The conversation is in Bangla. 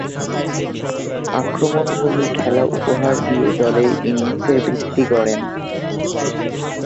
আক্রমণধর্মী খেলা উপহার দিয়ে দলের ইনিংসের ভিত্তি গড়েন।